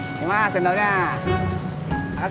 ini mas sendoknya